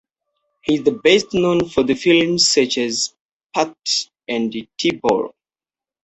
He is best known for the films such as "Pacte" and "T’Bool".